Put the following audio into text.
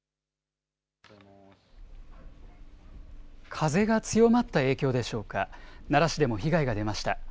風が強まった影響でしょうか、奈良市でも被害が出ました。